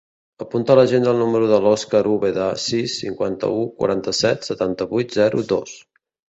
Apunta a l'agenda el número de l'Òscar Ubeda: sis, cinquanta-u, quaranta-set, setanta-vuit, zero, dos.